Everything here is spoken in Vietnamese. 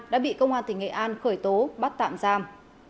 đã bị công an tỉnh nghệ an khởi tố bắt tạm giam